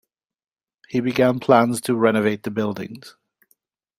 He began plans to renovate the buildings.